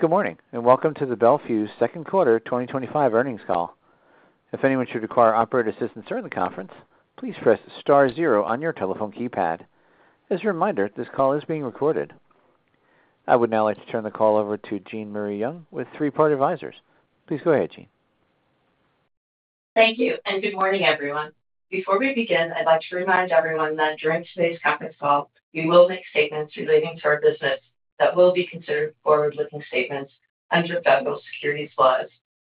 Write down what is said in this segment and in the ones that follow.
Good morning and welcome to the Bel Fuse Inc. Second Quarter 2025 Earnings Call. If anyone should require operator assistance during the conference, please press star zero on your telephone keypad. As a reminder, this call is being recorded. I would now like to turn the call over to Jean Marie Young with Three Part Advisors. Please go ahead, Jean. Thank you, and good morning, everyone. Before we begin, I'd like to remind everyone that during today's conference call, we will make statements relating to our business that will be considered forward-looking statements under federal securities laws,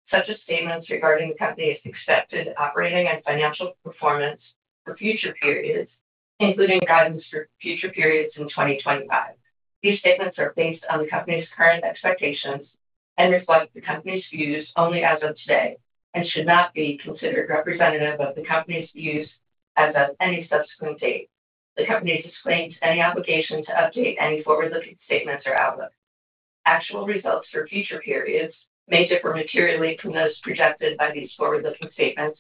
such as statements regarding the company's expected operating and financial performance for future periods, including guidance for future periods in 2025. These statements are based on the company's current expectations and reflect the company's views only as of today and should not be considered representative of the company's views as of any subsequent date. The company is not obligated to update any forward-looking statements or outlook. Actual results for future periods may differ materially from those projected by these forward-looking statements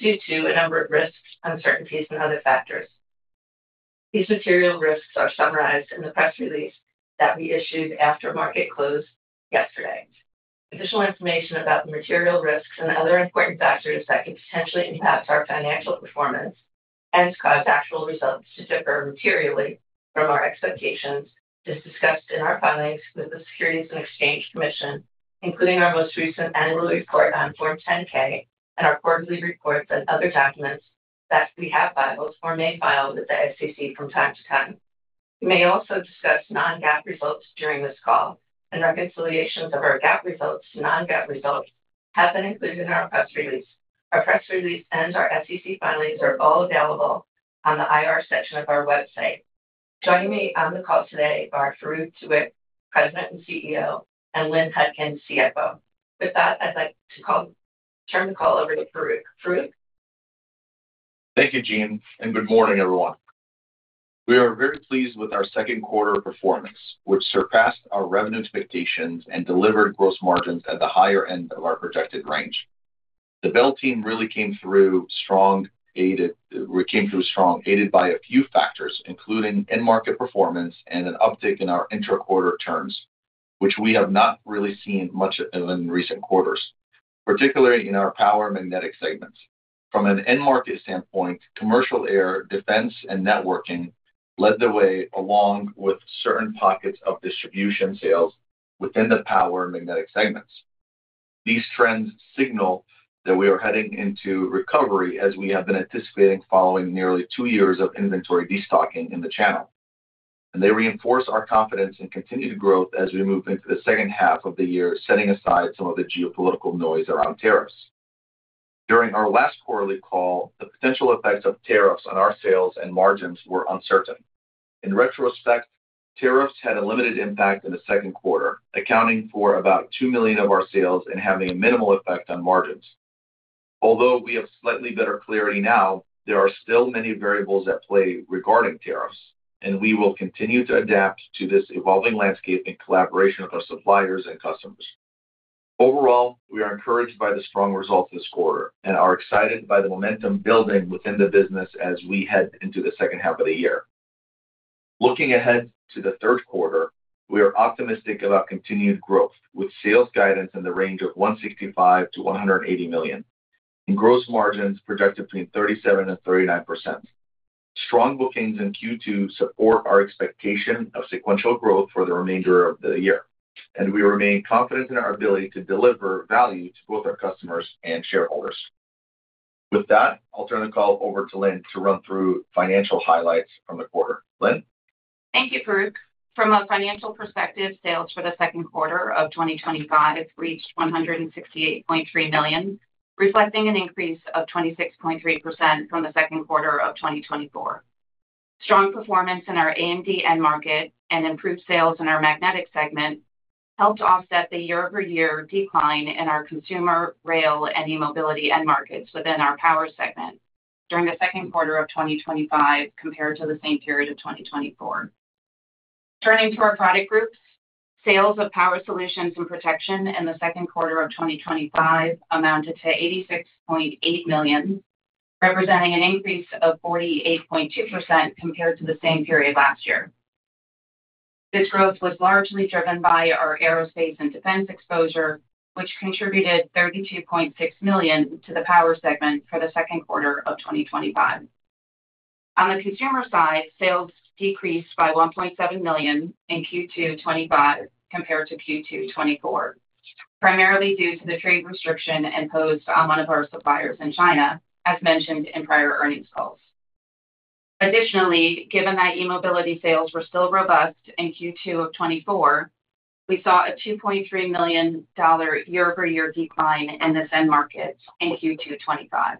due to a number of risks, uncertainties, and other factors. These material risks are summarized in the press release that we issued after market closed yesterday. Additional information about the material risks and other important factors that could potentially impact our financial performance and cause actual results to differ materially from our expectations is discussed in our filings with the Securities and Exchange Commission, including our most recent annual report on Form 10-K and our quarterly report and other documents that we have filed or may file with the SEC from time to time. We may also discuss non-GAAP results during this call and reconciliations of our GAAP results to non-GAAP results have been included in our press release. Our press release and our SEC filings are all available on the IR section of our website. Joining me on the call today are Farouq Tuweiq, President and CEO, and Lynn Hutkin, CFO. With that, I'd like to turn the call over to Farouq. Farouq? Thank you, Jean, and good morning, everyone. We are very pleased with our Second Quarter performance, which surpassed our revenue expectations and delivered gross margins at the higher end of our projected range. The Bel team really came through strong, aided by a few factors, including in-market performance and an uptick in our intra-quarter turns, which we have not really seen much of in recent quarters, particularly in our Power and Magnetic segments. From an in-market standpoint, commercial air, defense, and networking led the way along with certain pockets of distribution sales within the Power and Magnetic segments. These trends signal that we are heading into recovery as we have been anticipating following nearly two years of inventory destocking in the channel. They reinforce our confidence in continued growth as we move into the second half of the year, setting aside some of the geopolitical noise around tariffs. During our last quarterly call, the potential effects of tariffs on our sales and margins were uncertain. In retrospect, tariffs had a limited impact in the Second Quarter, accounting for about $2 million of our sales and having minimal effect on margins. Although we have slightly better clarity now, there are still many variables at play regarding tariffs, and we will continue to adapt to this evolving landscape in collaboration with our suppliers and customers. Overall, we are encouraged by the strong results this quarter and are excited by the momentum building within the business as we head into the second half of the year. Looking ahead to the third quarter, we are optimistic about continued growth with sales guidance in the range of $165 to $180 million and gross margins projected between 37% and 39%. Strong bookings in Q2 support our expectation of sequential growth for the remainder of the year, and we remain confident in our ability to deliver value to both our customers and shareholders. With that, I'll turn the call over to Lynn to run through financial highlights from the quarter. Lynn? Thank you, Farouq. From a financial perspective, sales for the Second Quarter of 2025 have reached $168.3 million, reflecting an increase of 26.3% from the Second Quarter of 2024. Strong performance in our A&D end market and improved sales in our Magnetic Solutions segment helped offset the year-over-year decline in our consumer rail and e-mobility end markets within our Power Solutions and Protection segment during the Second Quarter of 2025 compared to the same period of 2024. Turning to our product group, sales of Power Solutions and Protection in the Second Quarter of 2025 amounted to $86.8 million, representing an increase of 48.2% compared to the same period last year. This growth was largely driven by our aerospace and defense exposure, which contributed $32.6 million to the power segment for the Second Quarter of 2025. On the consumer side, sales decreased by $1.7 million in Q2 '25 compared to Q2 '24, primarily due to the trade restriction imposed on one of our suppliers in China, as mentioned in prior earnings calls. Additionally, given that e-mobility sales were still robust in Q2 of '24, we saw a $2.3 million year-over-year decline in this end market in Q2 '25.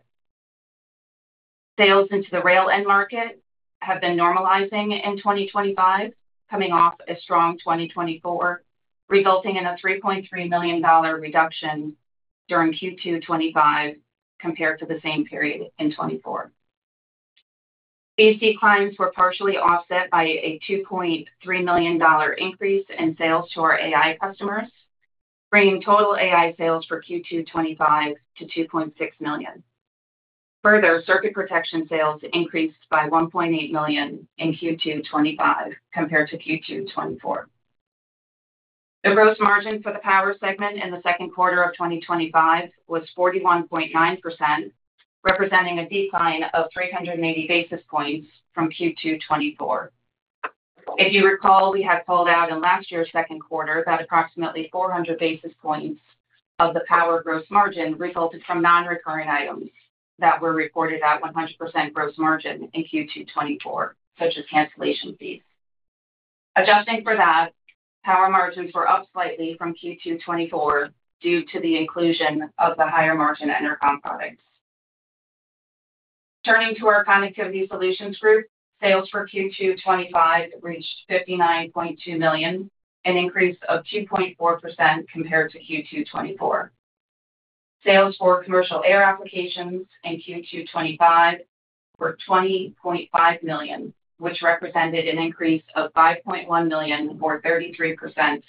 Sales into the rail end market have been normalizing in 2025, coming off a strong 2024, resulting in a $3.3 million reduction during Q2 '25 compared to the same period in '24. These declines were partially offset by a $2.3 million increase in sales to our AI customers, bringing total AI sales for Q2 '25 to $2.6 million. Further, circuit protection sales increased by $1.8 million in Q2 '25 compared to Q2 '24. The gross margin for the power segment in the Second Quarter of 2025 was 41.9%, representing a decline of 380 basis points from Q2 '24. If you recall, we had pulled out in last year's Second Quarter that approximately 400 basis points of the power gross margin resulted from non-recurring items that were recorded at 100% gross margin in Q2 '24, such as cancellation fees. Adjusting for that, power margins were up slightly from Q2 '24 due to the inclusion of the higher margin enterprise product. Turning to our Connectivity Solutions group, sales for Q2 '25 reached $59.2 million, an increase of 2.4% compared to Q2 '24. Sales for commercial air applications in Q2 '25 were $20.5 million, which represented an increase of $5.1 million or 33%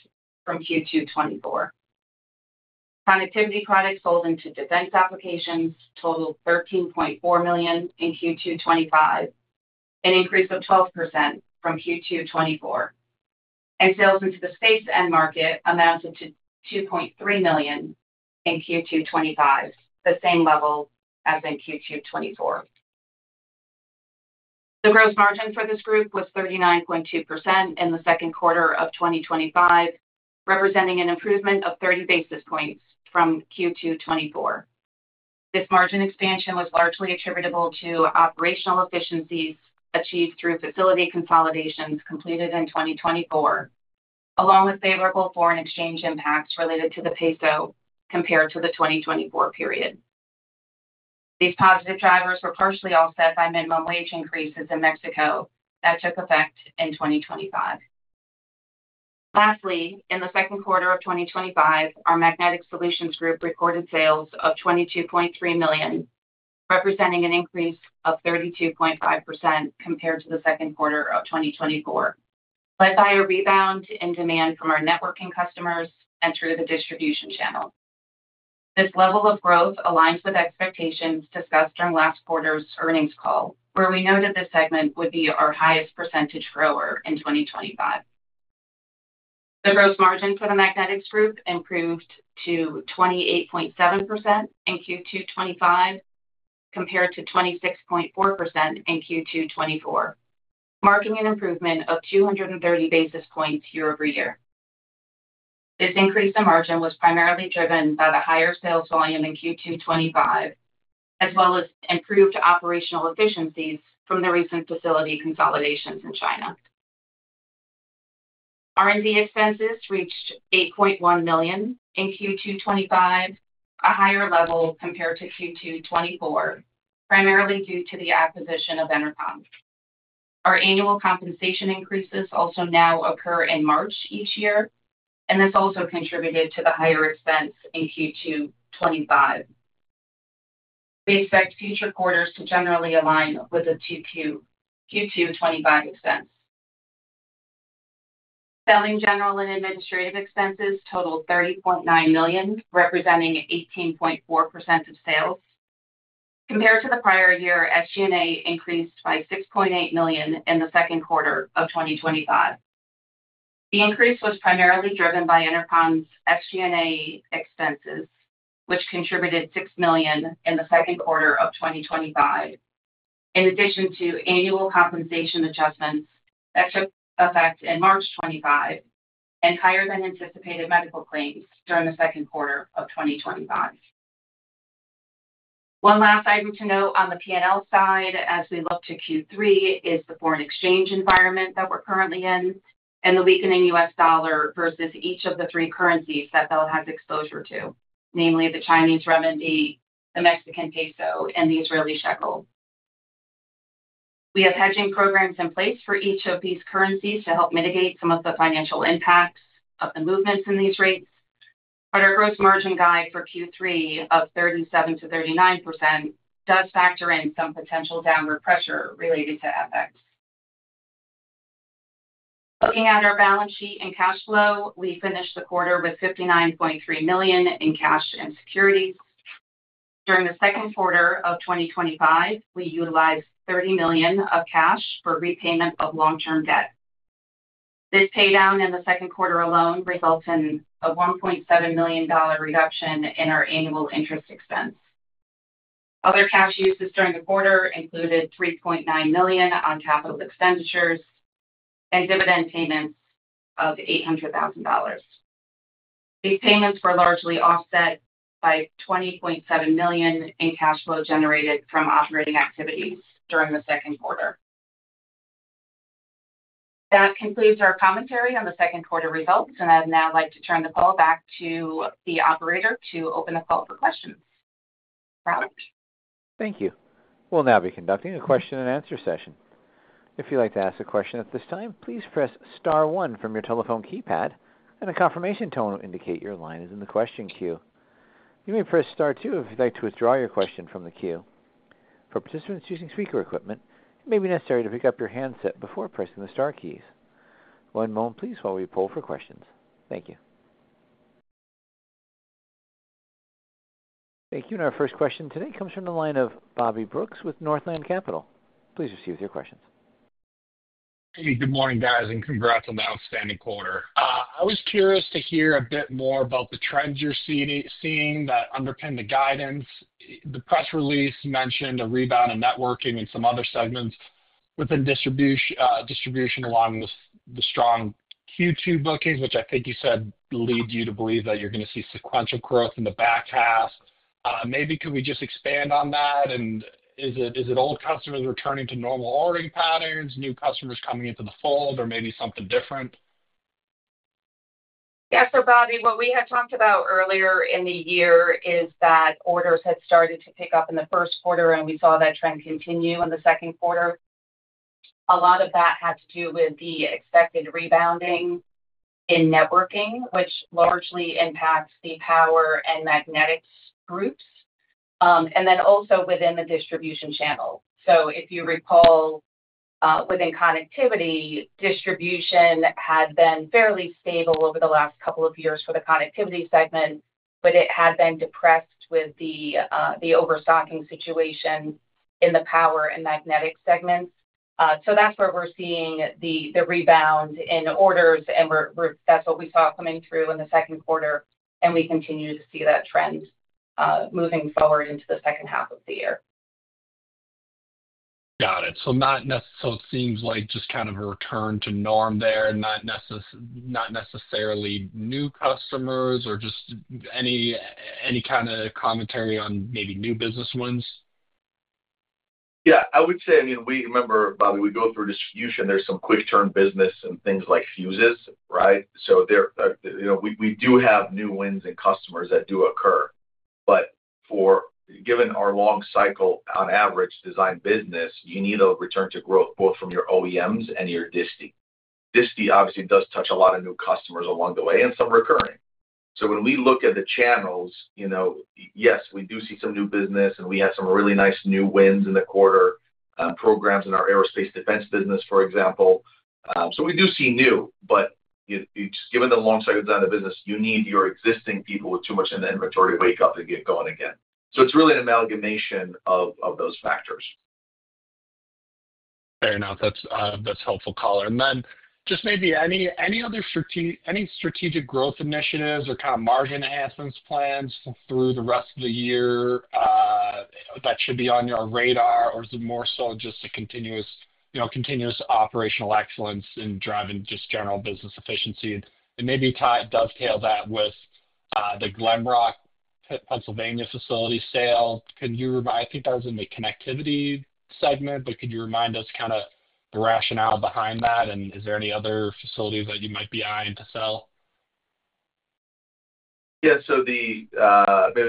from Q2 '24. Connectivity products sold into defense applications totaled $13.4 million in Q2 '25, an increase of 12% from Q2 '24. Sales into the space end market amounted to $2.3 million in Q2 2025, the same level as in Q2 2024. The gross margin for this group was 39.2% in the Second Quarter of 2025, representing an improvement of 30 basis points from Q2 2024. This margin expansion was largely attributable to operational efficiencies achieved through facility consolidations completed in 2024, along with favorable foreign exchange impacts related to the peso compared to the 2024 period. These positive drivers were partially offset by minimum wage increases in Mexico that took effect in 2025. Lastly, in the Second Quarter of 2025, our Magnetic Solutions group recorded sales of $22.3 million, representing an increase of 32.5% compared to the Second Quarter of 2024, led by a rebound in demand from our networking customers and through the distribution channel. This level of growth aligns with expectations discussed during last quarter's earnings call, where we noted this segment would be our highest percentage grower in 2025. The gross margin for the Magnetic group improved to 28.7% in Q2 2025 compared to 26.4% in Q2 2024, marking an improvement of 230 basis points year-over-year. This increase in margin was primarily driven by the higher sales volume in Q2 2025, as well as improved operational efficiencies from the recent facility consolidations in China. R&D expenses reached $8.1 million in Q2 2025, a higher level compared to Q2 2024, primarily due to the acquisition of Entercon. Our annual compensation increases also now occur in March each year, and this also contributed to the higher expense in Q2 2025. We expect future quarters to generally align with the Q2 2025 expense. Selling, general, and administrative expenses totaled $30.9 million, representing 18.4% of sales. Compared to the prior year, SG&A increased by $6.8 million in the Second Quarter of 2025. The increase was primarily driven by Entercon's SG&A expenses, which contributed $6 million in the Second Quarter of 2025, in addition to annual compensation adjustments effects in March 2025 and higher than anticipated medical claims during the Second Quarter of 2025. One last item to note on the P&L side, as we look to Q3, is the foreign exchange environment that we're currently in and the weakening U.S. dollar versus each of the three currencies that Bel has exposure to, namely the Chinese renminbi, the Mexican peso, and the Israeli shekel. We have hedging programs in place for each of these currencies to help mitigate some of the financial impacts of the movements in these rates. Our gross margin guide for Q3 of 37% to 39% does factor in some potential downward pressure related to FX. Looking at our balance sheet and cash flow, we finished the quarter with $59.3 million in cash and securities. During the Second Quarter of 2025, we utilized $30 million of cash for repayment of long-term debt. This paydown in the Second Quarter alone resulted in a $1.7 million reduction in our annual interest expense. Other cash uses during the quarter included $3.9 million on capital expenditures and dividend payments of $800,000. These payments were largely offset by $20.7 million in cash flow generated from operating activities during the Second Quarter. That concludes our commentary on the Second Quarter results, and I'd now like to turn the call back to the operator to open the call for questions. Thank you. We'll now be conducting a question and answer session. If you'd like to ask a question at this time, please press star one from your telephone keypad, and a confirmation tone will indicate your line is in the question queue. You may press star two if you'd like to withdraw your question from the queue. For participants using speaker equipment, it may be necessary to pick up your handset before pressing the star keys. One moment, please, while we pull for questions. Thank you. Our first question today comes from the line of Bobby Brooks with Northland Capital Markets. Please proceed with your questions. Hey, good morning, guys, and congrats on the outstanding quarter. I was curious to hear a bit more about the trends you're seeing that underpin the guidance. The press release mentioned a rebound in networking and some other segments within distribution, along with the strong Q2 bookings, which I think you said lead you to believe that you're going to see sequential growth in the back half. Maybe could we just expand on that? Is it old customers returning to normal ordering patterns, new customers coming into the fold, or maybe something different? Yes, sir, Bobby. What we had talked about earlier in the year is that orders had started to pick up in the first quarter, and we saw that trend continue in the Second Quarter. A lot of that had to do with the expected rebounding in networking, which largely impacts the Power Solutions and Protection and Magnetic Solutions groups, and also within the distribution channels. If you recall, within Connectivity Solutions, distribution had been fairly stable over the last couple of years for the connectivity segment, but it had been depressed with the overstocking situation in the Power Solutions and Protection and Magnetic Solutions segment. That is where we're seeing the rebound in orders, and that's what we saw coming through in the Second Quarter. We continue to see that trend moving forward into the second half of the year. Got it. It seems like just kind of a return to norm there, and not necessarily new customers or just any kind of commentary on maybe new business wins? Yeah, I would say, I mean, we remember, Bobby, we would go through distribution. There's some quick-term business and things like fuses, right? There, you know, we do have new wins and customers that do occur. For given our long cycle, on average, design business, you need a return to growth both from your OEMs and your distribution channels. Distribution obviously does touch a lot of new customers along the way and some recurring. When we look at the channels, yes, we do see some new business, and we had some really nice new wins in the quarter, programs in our aerospace and defense business, for example. We do see new, but just given the long cycle design of the business, you need your existing people with too much in the inventory to wake up and get going again. It's really an amalgamation of those factors. Fair enough. That's helpful, Tyler. Are there any other strategic growth initiatives or margin enhancement plans through the rest of the year that should be on your radar, or is it more so just a continuous operational excellence in driving general business efficiency? Maybe, Tyler, dovetail that with the Glen Rock, Pennsylvania facility sale. I think that was in the Connectivity Solutions segment, but could you remind us of the rationale behind that? Is there any other facility that you might be eyeing to sell? Yeah, so maybe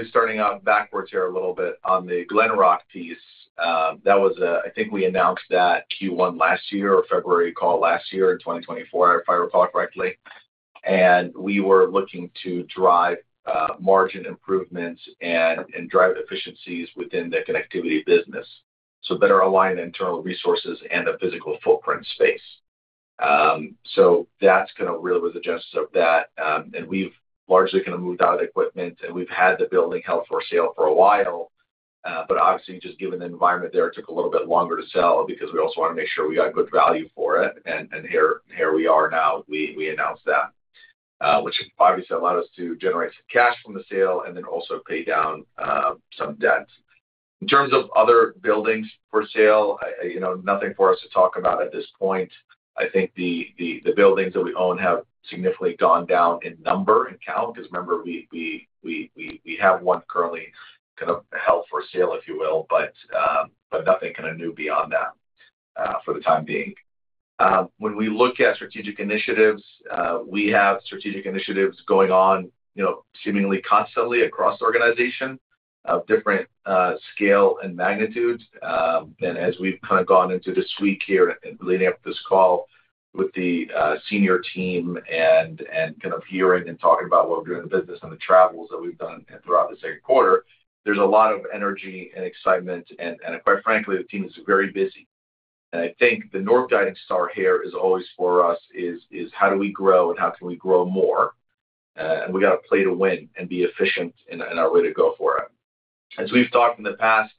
starting out backwards here a little bit on the Glen Rock piece, that was a, I think we announced that Q1 last year or February call last year in 2024, if I recall correctly. We were looking to drive margin improvements and drive efficiencies within the connectivity business, so better align internal resources and the physical footprint space. That kind of really was the genesis of that. We've largely kind of moved out of the equipment, and we've had the building held for sale for a while. Obviously, just given the environment there, it took a little bit longer to sell because we also want to make sure we got good value for it. Here we are now, we announced that, which obviously allowed us to generate some cash from the sale and then also pay down some debt. In terms of other buildings for sale, nothing for us to talk about at this point. I think the buildings that we own have significantly gone down in number and count because remember, we have one currently kind of held for sale, if you will, but nothing kind of new beyond that for the time being. When we look at strategic initiatives, we have strategic initiatives going on, seemingly constantly across the organization of different scale and magnitudes. As we've kind of gone into this week here and leading up to this call with the senior team and kind of hearing and talking about what we're doing in the business and the travels that we've done throughout the Second Quarter, there's a lot of energy and excitement. Quite frankly, the team is very busy. I think the north guiding star here is always for us is how do we grow and how can we grow more. We got to play to win and be efficient in our way to go for it. We've talked in the past,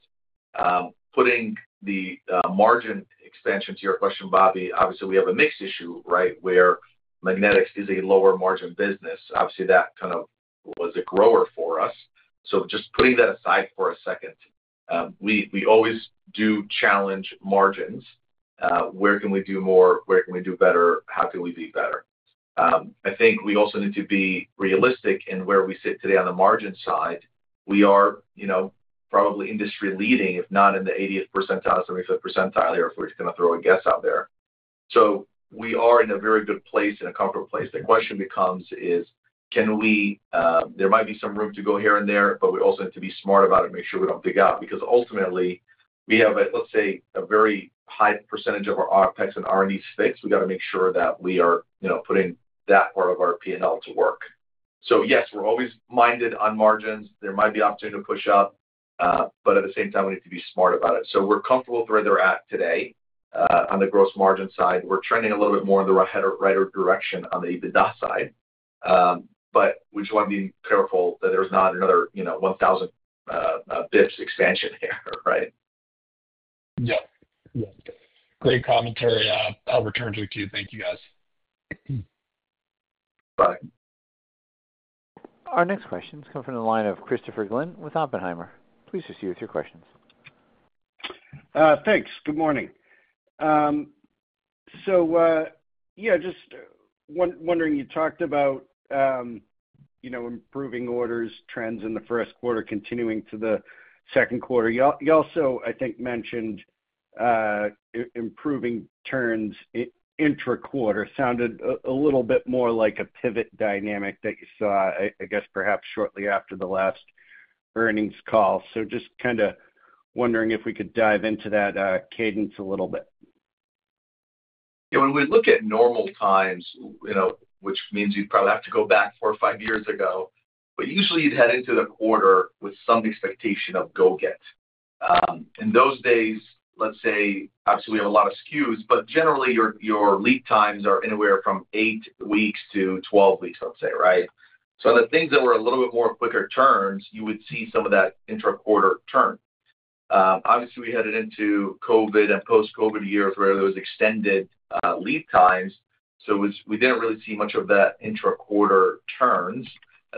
putting the margin expansion to your question, Bobby, obviously, we have a mixed issue, right, where Magnetic is a lower margin business. Obviously, that kind of was a grower for us. Just putting that aside for a second, we always do challenge margins. Where can we do more? Where can we do better? How can we be better? I think we also need to be realistic in where we sit today on the margin side. We are probably industry leading, if not in the 80% percentile, 75% percentile, or if we're just going to throw a guess out there. We are in a very good place, in a comfortable place. The question becomes, can we, there might be some room to go here and there, but we also need to be smart about it and make sure we don't dig out because ultimately, we have a, let's say, a very high % of our Opex and R&D space. We got to make sure that we are, you know, putting that part of our P&L to work. Yes, we're always minded on margins. There might be an opportunity to push up, but at the same time, we need to be smart about it. We're comfortable with where they're at today, on the gross margin side. We're trending a little bit more in the right direction on the EBITDA side. We just want to be careful that there's not another, you know, 1,000 basis points expansion here, right? Yep. Yep. Great commentary. I'll return to it too. Thank you, guys. Bye. Our next question is coming from the line of Christopher Glynn with Oppenheimer & Co. Inc. Please proceed with your questions. Thanks. Good morning. I am just wondering, you talked about improving orders trends in the first quarter continuing to the Second Quarter. You also, I think, mentioned improving turns intra-quarter. It sounded a little bit more like a pivot dynamic that you saw, I guess, perhaps shortly after the last earnings call. I am just kind of wondering if we could dive into that cadence a little bit. Yeah, when we look at normal times, which means you'd probably have to go back four or five years ago, but usually, you'd head into the quarter with some expectation of go-get. In those days, let's say, obviously, we have a lot of SKUs, but generally, your lead times are anywhere from Eight weeks to 12 weeks, let's say, right? On the things that were a little bit more quicker turns, you would see some of that intra-quarter turn. Obviously, we headed into COVID and post-COVID years where there were extended lead times. We didn't really see much of that intra-quarter turns.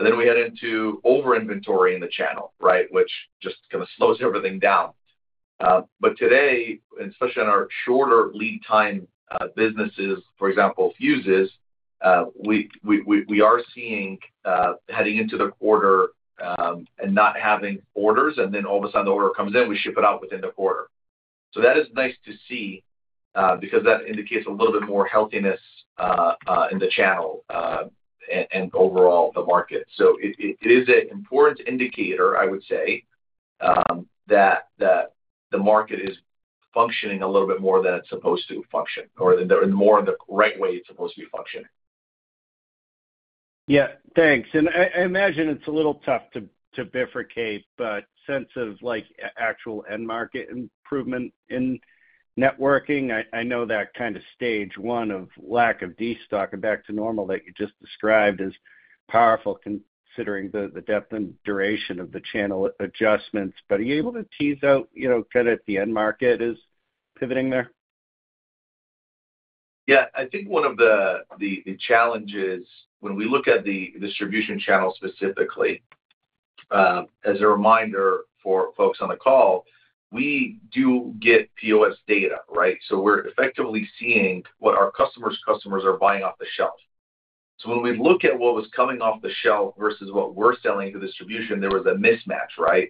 We head into over-inventory in the channel, which just kind of slows everything down. Today, and especially in our shorter lead time businesses, for example, fuses, we are seeing heading into the quarter and not having orders. Then all of a sudden, the order comes in, we ship it out within the quarter. That is nice to see because that indicates a little bit more healthiness in the channel and overall the market. It is an important indicator, I would say, that the market is functioning a little bit more than it's supposed to function or more in the right way it's supposed to be functioning. Thank you. I imagine it's a little tough to bifurcate, but sense of actual end market improvement in networking. I know that kind of stage one of lack of destock and back to normal that you just described is powerful, considering the depth and duration of the channel adjustments. Are you able to tease out, you know, kind of if the end market is pivoting there? Yeah, I think one of the challenges when we look at the distribution channels specifically, as a reminder for folks on the call, we do get POS data, right? We're effectively seeing what our customers' customers are buying off the shelf. When we look at what was coming off the shelf versus what we're selling to distribution, there was a mismatch, right?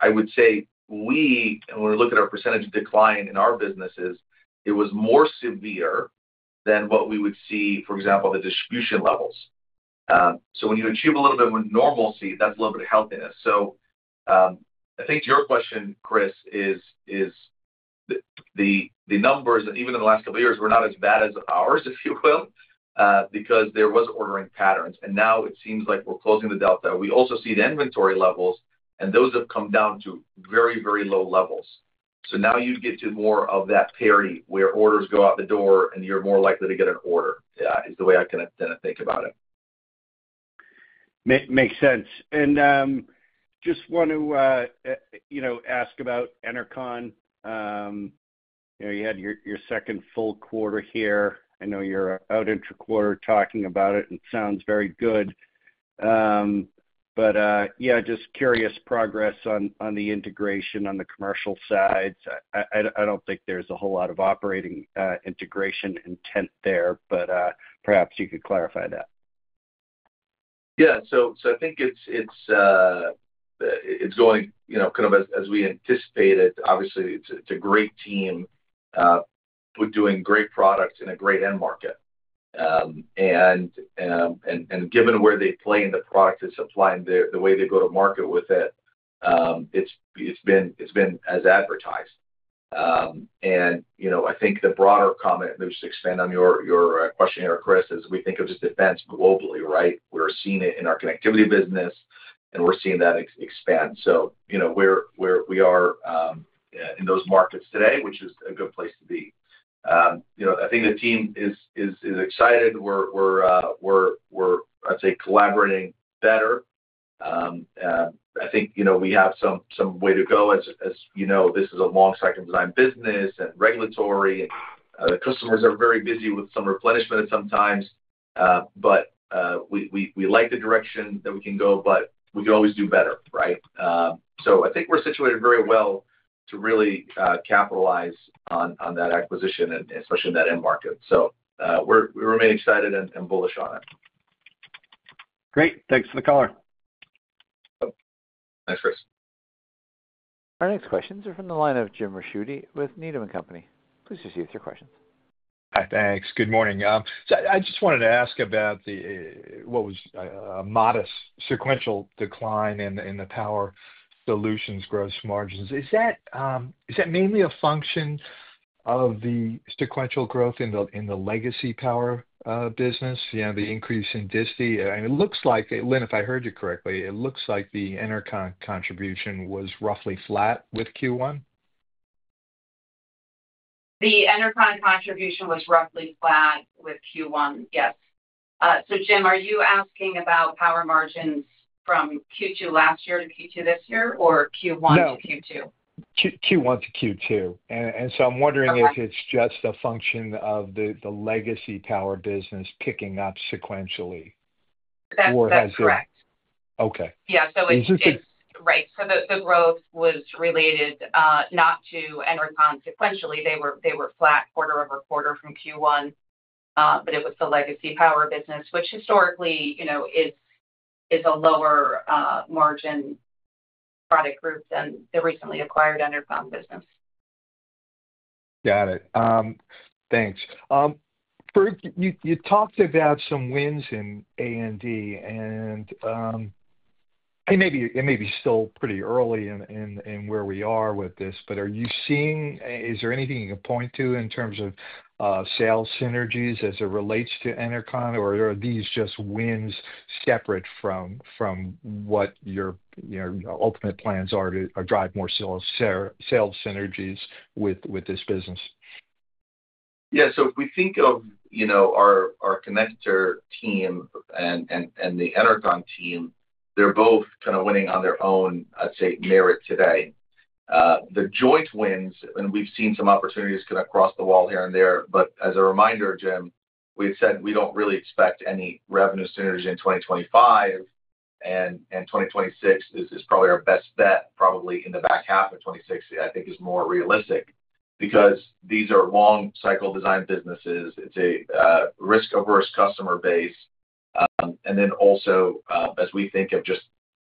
I would say we, and when we look at our percentage of decline in our businesses, it was more severe than what we would see, for example, at the distribution levels. When you achieve a little bit of normalcy, that's a little bit of healthiness. I think to your question, Chris, the numbers, even in the last couple of years, were not as bad as ours, if you will, because there were ordering patterns. Now it seems like we're closing the delta. We also see the inventory levels, and those have come down to very, very low levels. Now you get to more of that parity where orders go out the door and you're more likely to get an order is the way I kind of think about it. Makes sense. I just want to ask about Entercon. You had your second full quarter here. I know you're out intra-quarter talking about it, and it sounds very good. I'm just curious about progress on the integration on the commercial sides. I don't think there's a whole lot of operating integration intent there, but perhaps you could clarify that. Yeah, I think it's going kind of as we anticipate it. Obviously, it's a great team. We're doing great product in a great end market. Given where they play in the product and supply and the way they go to market with it, it's been as advertised. I think the broader comment, maybe just to expand on your question here, Chris, is we think of just events globally, right? We're seeing it in our connectivity business, and we're seeing that expand. Where we are in those markets today, which is a good place to be. I think the team is excited. We're, I'd say, collaborating better. I think we have some way to go. As you know, this is a long cycle design business and regulatory. The customers are very busy with some replenishment at some times. We like the direction that we can go, but we can always do better, right? I think we're situated very well to really capitalize on that acquisition, especially in that end market. We remain excited and bullish on it. Great, thanks for the call. Thanks, Chris. Our next questions are from the line of James Ricchiuti with Needham & Company LLC. Please proceed with your questions. All right, thanks. Good morning. I just wanted to ask about what was a modest sequential decline in the Power Solutions and Protection gross margins. Is that mainly a function of the sequential growth in the legacy power business, you know, the increase in distribution channels? It looks like, Lynn, if I heard you correctly, it looks like the Entercon contribution was roughly flat with Q1? The Entercon contribution was roughly flat with Q1, yes. Jim, are you asking about power margin from Q2 last year to Q2 this year, or Q1 to Q2? Q1 to Q2. I'm wondering if it's just a function of the legacy power business picking up sequentially, or has it? That's correct. Okay. Yeah, that's just right. The growth was related not to Entercon sequentially. They were flat quarter over quarter from Q1, but it was the legacy power business, which historically, you know, is a lower margin product group than the recently acquired Entercon business. Got it. Thanks. You talked about some wins in A&D, and it may be still pretty early in where we are with this, but are you seeing, is there anything you can point to in terms of sales synergies as it relates to Entercon, or are these just wins separate from what your ultimate plans are to drive more sales synergies with this business? Yeah, so if we think of, you know, our connector team and the Entercon team, they're both kind of winning on their own, I'd say, merit today. The joint wins, we've seen some opportunities kind of cross the wall here and there, but as a reminder, Jim, we've said we don't really expect any revenue synergies in 2025, and 2026 is probably our best bet, probably in the back half of 2026, I think is more realistic because these are long cycle design businesses. It's a risk-averse customer base. Also, as we think of just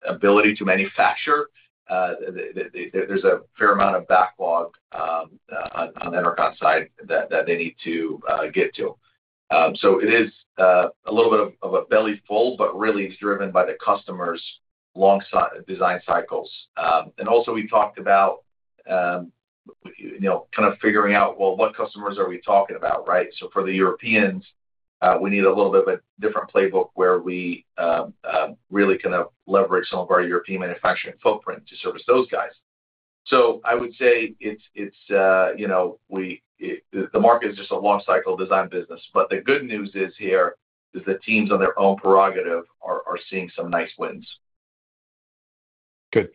ability to manufacture, there's a fair amount of backlog on the Entercon side that they need to get to. It is a little bit of a belly fold, but really, it's driven by the customers' long design cycles. Also, we talked about, you know, kind of figuring out, well, what customers are we talking about, right? For the Europeans, we need a little bit of a different playbook where we really kind of leverage some of our European manufacturing footprint to service those guys. I would say it's, you know, the market is just a long cycle design business. The good news is here is the teams on their own prerogative are seeing some nice wins. Good.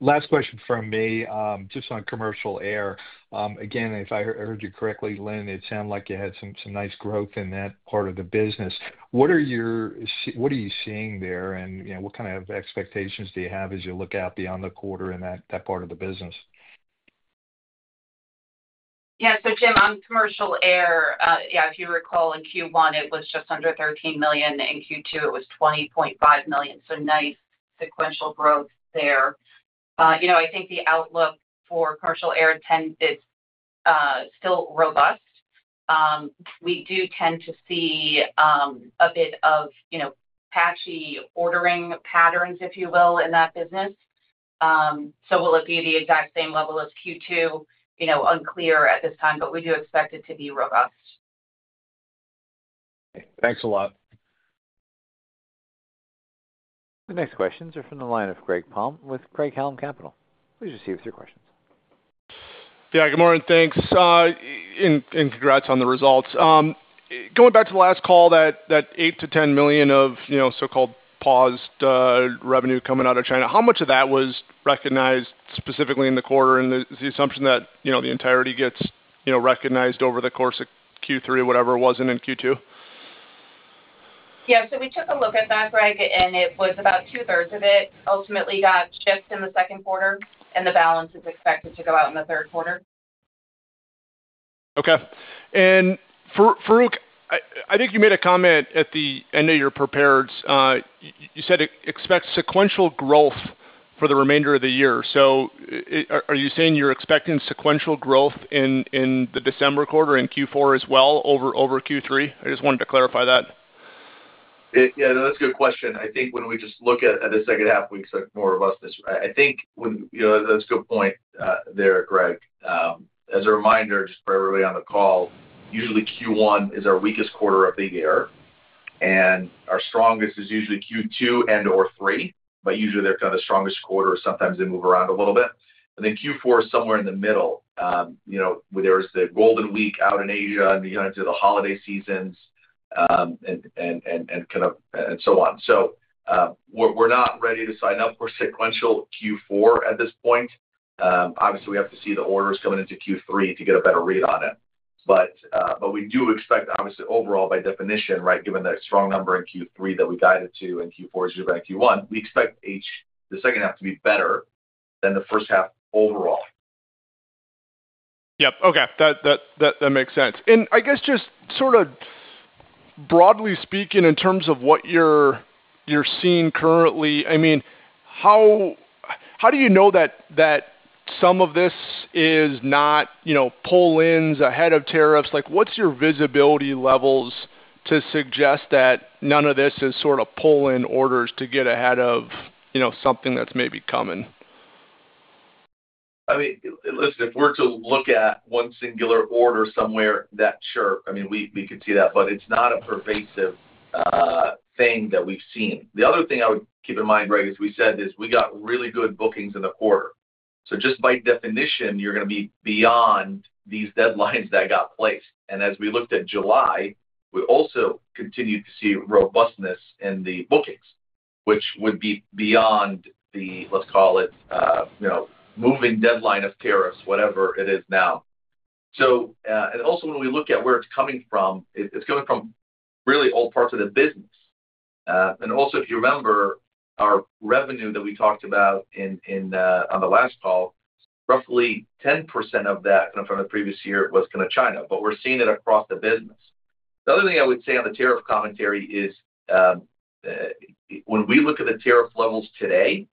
Last question from me, just on commercial air. Again, if I heard you correctly, Lynn, it sounded like you had some nice growth in that part of the business. What are you seeing there, and what kind of expectations do you have as you look out beyond the quarter in that part of the business? Yeah, so Jim, on commercial air, if you recall, in Q1, it was just under $13 million. In Q2, it was $20.5 million. Nice sequential growth there. I think the outlook for commercial air intent is still robust. We do tend to see a bit of patchy ordering patterns, if you will, in that business. Will it be the exact same level as Q2? Unclear at this time, but we do expect it to be robust. Thanks a lot. The next questions are from the line of Gregory William Palm with Craig-Hallum Capital Group LLC. Please proceed with your question. Good morning. Thanks, and congrats on the results. Going back to the last call, that $8 to $10 million of so-called paused revenue coming out of China, how much of that was recognized specifically in the quarter, and the assumption that the entirety gets recognized over the course of Q3 or whatever it wasn't in Q2? We took a look at that, Greg, and it was about two-thirds of it ultimately got shipped in the Second Quarter, and the balance is expected to go out in the third quarter. Okay. Farouq, I think you made a comment at the end of your prepared. You said expect sequential growth for the remainder of the year. Are you saying you're expecting sequential growth in the December quarter in Q4 as well over Q3? I just wanted to clarify that. Yeah, that's a good question. I think when we just look at the second half, we expect more robustness. I think that's a good point there, Greg. As a reminder, just for everybody on the call, usually Q1 is our weakest quarter of the year, and our strongest is usually Q2 and/or three, but usually they're kind of the strongest quarters. Sometimes they move around a little bit. Q4 is somewhere in the middle. There's the golden week out in Asia and the United States has the holiday seasons and so on. We're not ready to sign up for sequential Q4 at this point. Obviously, we have to see the orders coming into Q3 to get a better read on it. We do expect, obviously, overall, by definition, right, given the strong number in Q3 that we guided to and Q4 is due by Q1, we expect the second half to be better than the first half overall. Okay. That makes sense. I guess just sort of broadly speaking in terms of what you're seeing currently, how do you know that some of this is not pull-ins ahead of tariffs? What's your visibility levels to suggest that none of this is sort of pull-in orders to get ahead of something that's maybe coming? I mean, listen, if we're to look at one singular order somewhere, sure, we could see that, but it's not a pervasive thing that we've seen. The other thing I would keep in mind, Greg, as we said, is we got really good bookings in the quarter. Just by definition, you're going to be beyond these deadlines that got placed. As we looked at July, we also continued to see robustness in the bookings, which would be beyond the, let's call it, you know, moving deadline of tariffs, whatever it is now. Also, when we look at where it's coming from, it's coming from really all parts of the business. If you remember our revenue that we talked about on the last call, roughly 10% of that from the previous year was China, but we're seeing it across the business. The other thing I would say on the tariff commentary is when we look at the tariff levels today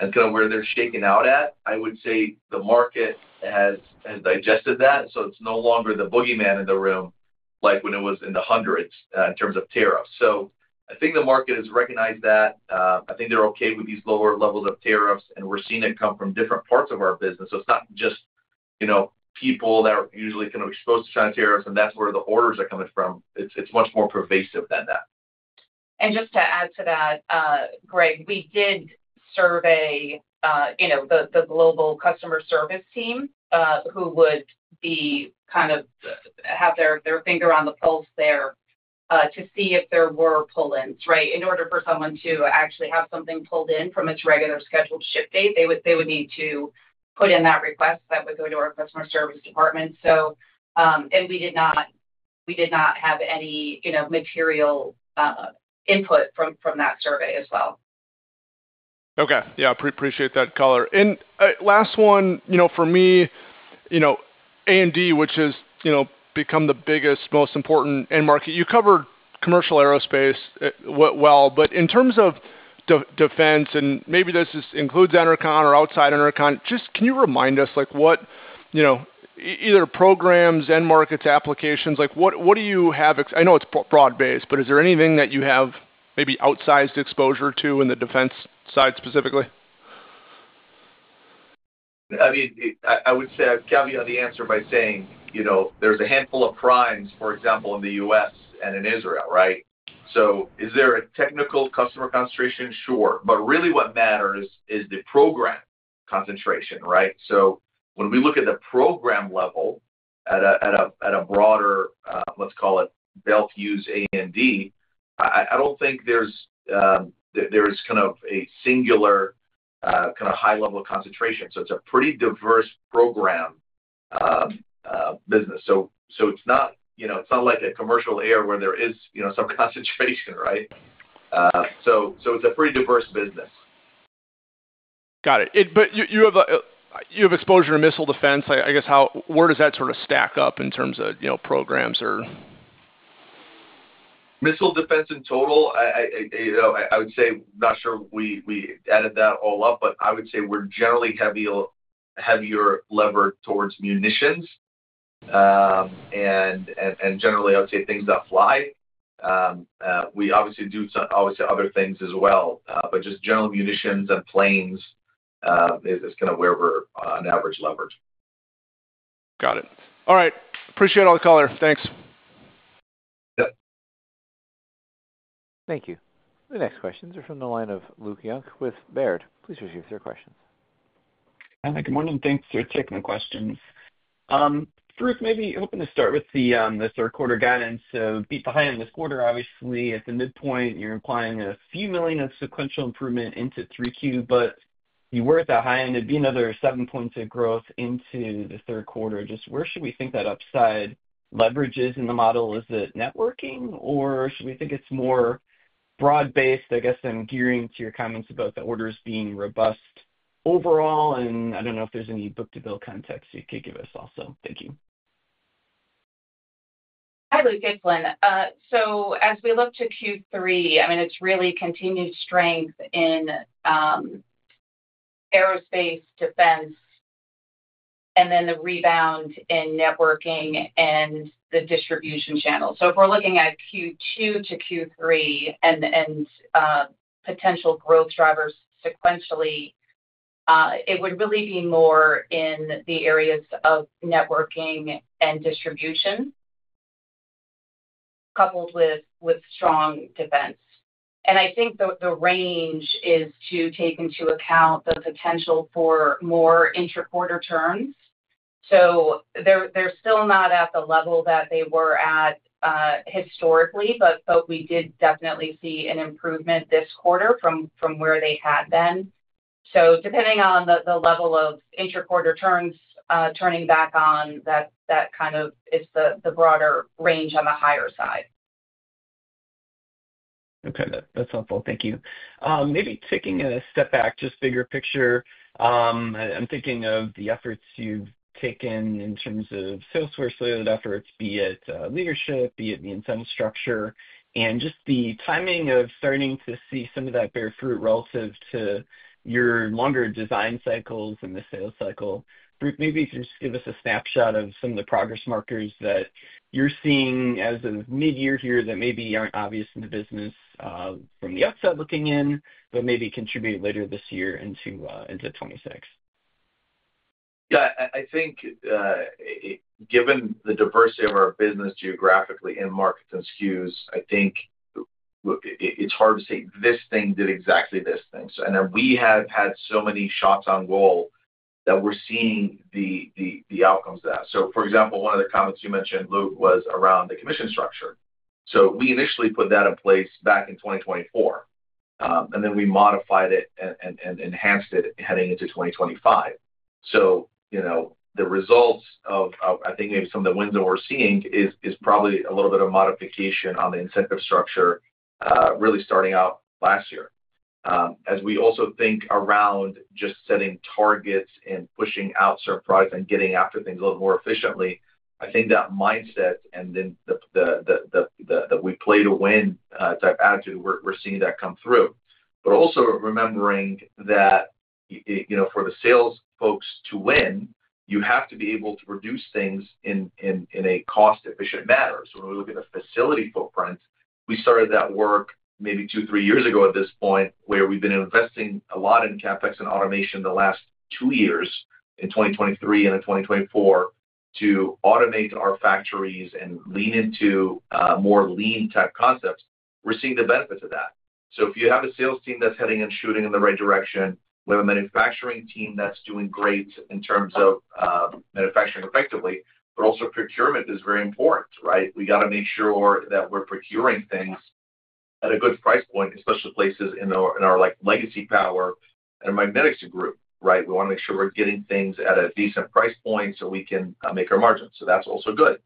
and where they're shaking out at, I would say the market has digested that. It's no longer the boogeyman in the room like when it was in the hundreds in terms of tariffs. I think the market has recognized that. I think they're okay with these lower levels of tariffs, and we're seeing it come from different parts of our business. It's not just people that are usually kind of exposed to China tariffs, and that's where the orders are coming from. It's much more pervasive than that. To add to that, Greg, we did survey the global customer service team who would have their finger on the pulse there to see if there were pull-ins, right? In order for someone to actually have something pulled in from its regular scheduled ship date, they would need to put in that request that would go to our customer service department. We did not have any material input from that survey as well. Okay. I appreciate that, Tyler. Last one for me, A&D, which has become the biggest, most important end market. You covered commercial aerospace well, but in terms of defense, and maybe this includes Entercon or outside Entercon, can you remind us what either programs, end markets, applications, what do you have? I know it's broad based, but is there anything that you have maybe outsized exposure to in the defense side specifically? I would caveat the answer by saying there's a handful of primes, for example, in the U.S. and in Israel, right? Is there a technical customer concentration? Sure. What really matters is the program concentration, right? When we look at the program level at a broader, let's call it Bel Fuse A&D, I don't think there's a singular high level of concentration. It's a pretty diverse program business. It's not like a commercial air where there is some concentration, right? It's a pretty diverse business. Got it. You have exposure to missile defense. I guess, how, where does that sort of stack up in terms of, you know, programs or? Missile defense in total, I would say, not sure we added that all up, but I would say we're generally heavier levered towards munitions. I would say things that fly. We obviously do other things as well, but just general munitions and planes is kind of where we're on average levered. Got it. All right. Appreciate all the color. Thanks. Thank you. The next questions are from the line of Luke L. Junk with Robert W. Baird & Co. Incorporated. Please proceed with your questions. Hi, good morning. Thanks for taking the questions. Farouq, maybe hoping to start with the third quarter guidance. You beat the high end of this quarter, obviously, at the midpoint, you're implying a few million of sequential improvement into Q3, but if you were at that high end, it'd be another 7% of growth into the third quarter. Just where should we think that upside leverages in the model? Is it networking, or should we think it's more broad-based? I guess I'm gearing to your comments about the orders being robust overall, and I don't know if there's any book-to-bill context you could give us also. Thank you. Hi, Luke. It's Lynn. As we look to Q3, it's really continued strength in aerospace and defense and then the rebound in networking and the distribution channel. If we're looking at Q2 to Q3 and potential growth drivers sequentially, it would really be more in the areas of networking and distribution coupled with strong defense. I think the range is to take into account the potential for more intra-quarter turns. They're still not at the level that they were at historically, but we did definitely see an improvement this quarter from where they had been. Depending on the level of intra-quarter turns turning back on, that kind of is the broader range on the higher side. Okay. That's helpful. Thank you. Maybe taking a step back, just bigger picture, I'm thinking of the efforts you've taken in terms of salesforce-related efforts, be it leadership, be it the incentive structure, and just the timing of starting to see some of that bear fruit relative to your longer design cycles and the sales cycle. Maybe you can just give us a snapshot of some of the progress markers that you're seeing as of mid-year here that maybe aren't obvious in the business from the outside looking in, but maybe contribute later this year into end of 2026. Yeah, I think given the diversity of our business geographically and markets and SKUs, I think it's hard to say this thing did exactly this thing. We have had so many shots on wall that we're seeing the outcomes of that. For example, one of the comments you mentioned, Luke, was around the commission structure. We initially put that in place back in 2024, and then we modified it and enhanced it heading into 2025. The results of, I think, maybe some of the wins that we're seeing is probably a little bit of modification on the incentive structure really starting out last year. As we also think around just setting targets and pushing out certain products and getting after things a little more efficiently, I think that mindset and the we-play-to-win type attitude, we're seeing that come through. Also remembering that, you know, for the sales folks to win, you have to be able to reduce things in a cost-efficient manner. When we look at a facility footprint, we started that work maybe two, three years ago at this point where we've been investing a lot in CapEx and automation the last two years, in 2023 and in 2024, to automate our factories and lean into more lean tech concepts. We're seeing the benefits of that. If you have a sales team that's heading and shooting in the right direction, we have a manufacturing team that's doing great in terms of manufacturing effectively, but also procurement is very important, right? We got to make sure that we're procuring things at a good price point, especially places in our legacy power and Magnetic group, right? We want to make sure we're getting things at a decent price point so we can make our margins. That's also good.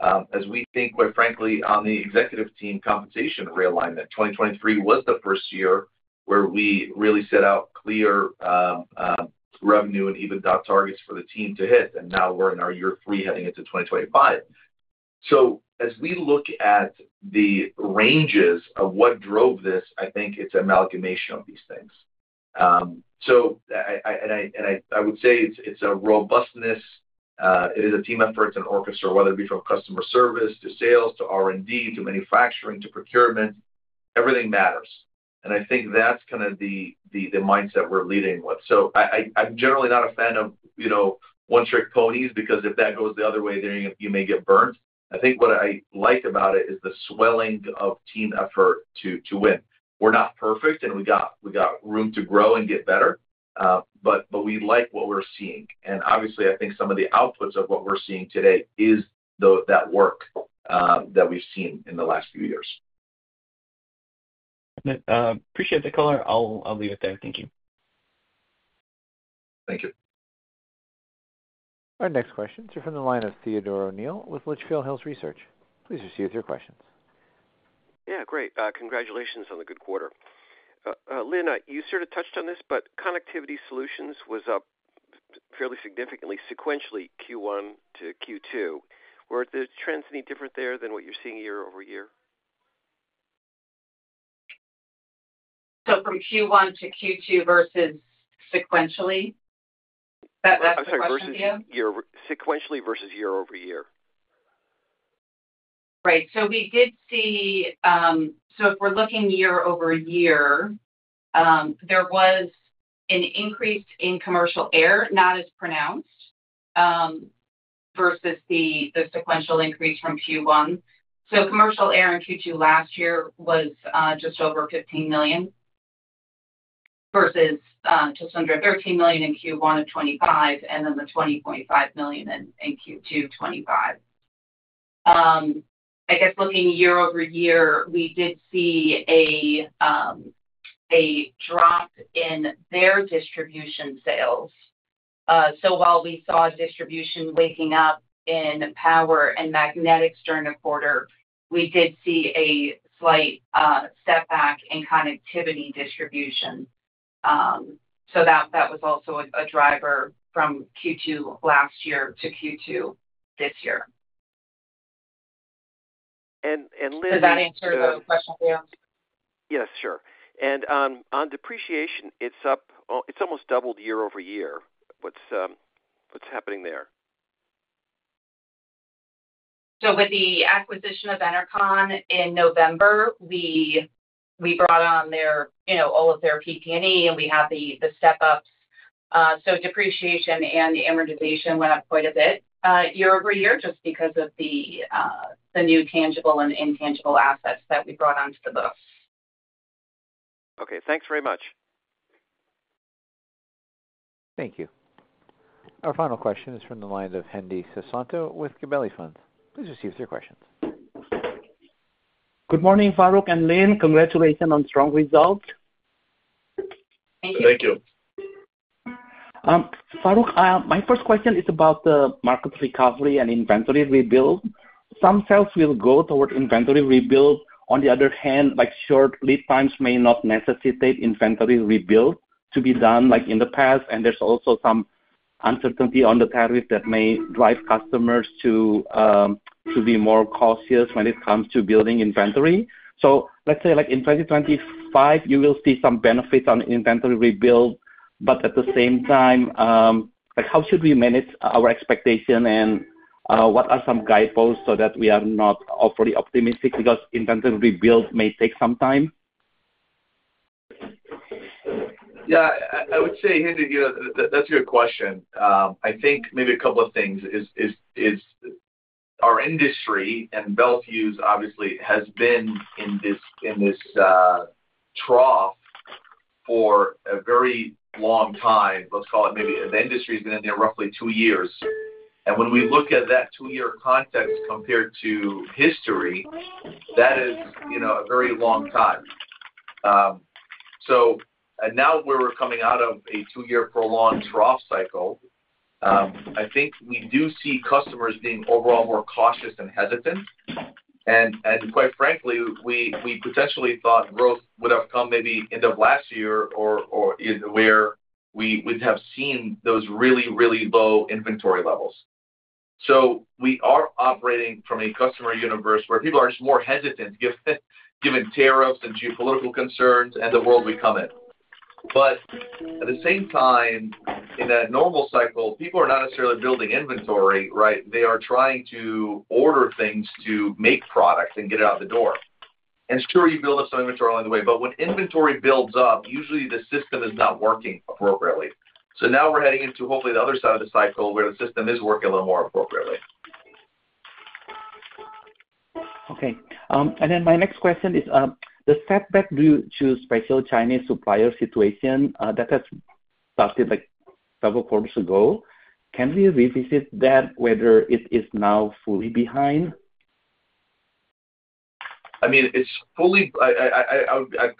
As we think, quite frankly, on the executive team compensation realignment, 2023 was the first year where we really set out clear revenue and even dot targets for the team to hit, and now we're in our year three heading into 2025. As we look at the ranges of what drove this, I think it's an amalgamation of these things. I would say it's a robustness. It is a team effort. It's an orchestra, whether it be from customer service to sales to R&D to manufacturing to procurement, everything matters. I think that's kind of the mindset we're leading with. I'm generally not a fan of, you know, one-trick ponies because if that goes the other way, then you may get burnt. I think what I liked about it is the swelling of team effort to win. We're not perfect, and we got room to grow and get better, but we like what we're seeing. Obviously, I think some of the outputs of what we're seeing today is that work that we've seen in the last few years. Appreciate the color. I'll leave it there. Thank you. Thank you. Our next questions are from the line of Theodore O'Neill with Litchfield Hills Research LLC. Please proceed with your questions. Yeah, great. Congratulations on the good quarter. Lynn, you sort of touched on this, but Connectivity Solutions was up fairly significantly sequentially Q1 to Q2. Were the trends any different there than what you're seeing year-over-year? From Q1 to Q2 versus sequentially? That's the question you asked? Sequentially versus year-over-year. Right. If we're looking year-over-year, there was an increase in commercial air, not as pronounced versus the sequential increase from Q1. Commercial air in Q2 last year was just over $15 million versus just under $13 million in Q1 of 2025, and then the $20.5 million in Q2 of 2025. I guess looking year-over-year, we did see a drop in their distribution sales. While we saw distribution waking up in Power Solutions and Protection and Magnetic Solutions during the quarter, we did see a slight step back in Connectivity Solutions distribution. That was also a driver from Q2 last year to Q2 this year. And Lynn. Does that answer the question for you? Yes, sure. On depreciation, it's up, it's almost doubled year-over-year. What's happening there? With the acquisition of Entercon in November, we brought on all of their PP&E, and we have the step-ups. Depreciation and amortization went up quite a bit year-over-year just because of the new tangible and intangible assets that we brought onto the book. Okay, thanks very much. Thank you. Our final question is from the line of Hendi Susanto with Gabelli Funds LLC. Please receive your questions. Good morning, Farouq and Lynn. Congratulations on strong results. Thank you. Farouq, my first question is about the market recovery and inventory rebuild. Some sales will go toward inventory rebuild. On the other hand, short lead times may not necessitate inventory rebuild to be done like in the past. There is also some uncertainty on the tariff that may drive customers to be more cautious when it comes to building inventory. Let's say in 2025, you will see some benefits on inventory rebuild. At the same time, how should we manage our expectation and what are some guideposts so that we are not overly optimistic because inventory rebuild may take some time? Yeah, I would say, Hendi, that's a good question. I think maybe a couple of things. Our industry and Bel Fuse obviously has been in this trough for a very long time. Let's call it maybe the industry has been in there roughly two years. When we look at that two-year context compared to history, that is a very long time. Now where we're coming out of a two-year prolonged trough cycle, I think we do see customers being overall more cautious and hesitant. Quite frankly, we potentially thought growth would have come maybe end of last year or where we would have seen those really, really low inventory levels. We are operating from a customer universe where people are just more hesitant given tariffs and geopolitical concerns and the world we come in. At the same time, in a normal cycle, people are not necessarily building inventory, right? They are trying to order things to make products and get it out of the door. Sure, you build up some inventory along the way, but when inventory builds up, usually the system is not working appropriately. Now we're heading into hopefully the other side of the cycle where the system is working a little more appropriately. Okay. My next question is, does that go back to the special Chinese supplier situation that has started like several quarters ago? Can we revisit that, whether it is now fully behind? I'd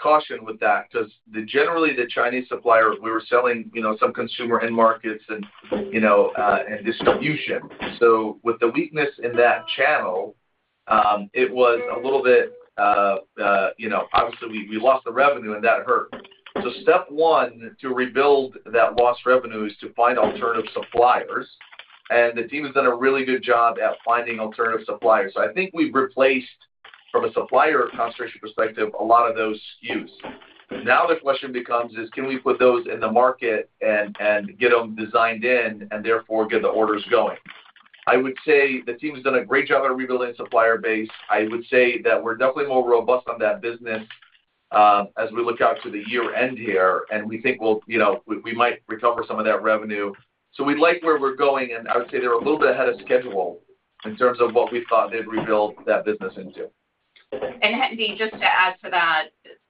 caution with that because generally the Chinese supplier, we were selling some consumer end markets and distribution. With the weakness in that channel, it was a little bit, obviously we lost the revenue and that hurt. Step one to rebuild that lost revenue is to find alternative suppliers. The team has done a really good job at finding alternative suppliers. I think we've replaced, from a supplier concentration perspective, a lot of those SKUs. Now the question becomes, can we put those in the market and get them designed in and therefore get the orders going? I would say the team's done a great job at rebuilding the supplier base. I would say that we're definitely more robust on that business as we look out to the year-end here. We think we might recover some of that revenue. We like where we're going, and I would say they're a little bit ahead of schedule in terms of what we thought they'd rebuild that business into. Hendi, just to add to that,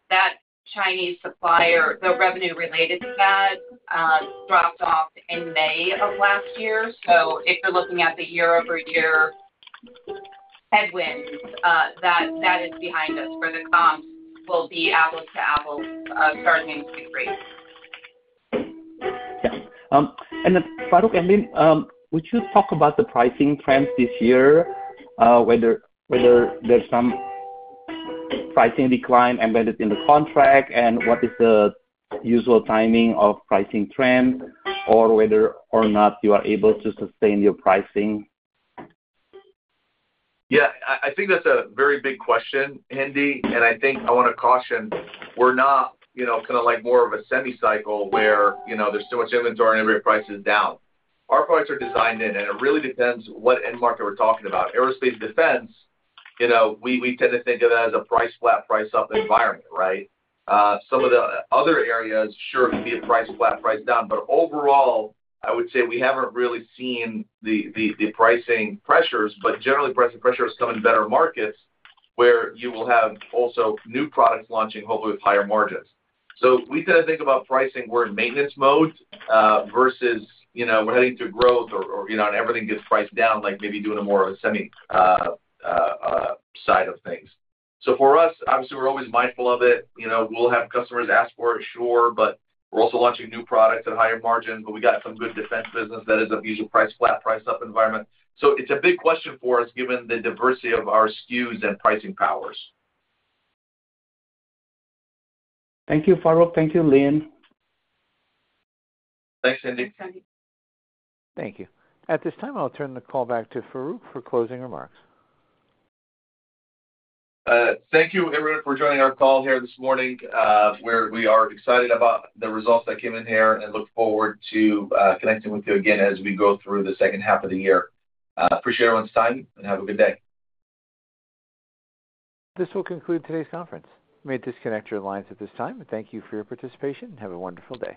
that Chinese supplier, the revenue related to that, dropped off in May of last year. If you're looking at the year-over-year headwind, that is behind us. For the comp, we'll be apples to apples starting in Q3. Farouq and Lynn, would you talk about the pricing trends this year, whether there's some pricing decline embedded in the contract, and what is the usual timing of pricing trend, or whether or not you are able to sustain your pricing? Yeah, I think that's a very big question, Hendi. I want to caution, we're not, you know, kind of like more of a semi-cycle where there's too much inventory and everybody's price is down. Our products are designed in, and it really depends what end market we're talking about. Aerospace and defense, we tend to think of that as a price flat, price up environment, right? Some of the other areas, sure, it could be a price flat, price down. Overall, I would say we haven't really seen the pricing pressures. Generally, pricing pressures come in better markets where you will have also new products launching, hopefully with higher margins. We tend to think about pricing we're in maintenance mode versus, you know, we're heading to growth and everything gets priced down, like maybe doing more of a semi-side of things. For us, obviously, we're always mindful of it. We'll have customers ask for it, sure, but we're also launching new products at a higher margin. We got some good defense business that is usually a price flat, price up environment. It's a big question for us given the diversity of our SKUs and pricing powers. Thank you, Farouq. Thank you, Lynn. Thanks, Hendi. Thank you. At this time, I'll turn the call back to Farouq for closing remarks. Thank you, everyone, for joining our call here this morning. We are excited about the results that came in here and look forward to connecting with you again as we go through the second half of the year. Appreciate everyone's time and have a good day. This will conclude today's conference. We may disconnect your lines at this time. Thank you for your participation and have a wonderful day.